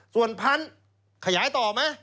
ส่วนพันธุ์ขยายต่อไหม